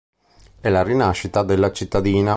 È la rinascita della cittadina.